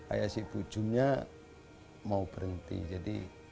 ayah si ibu jumnya mau berhenti jadi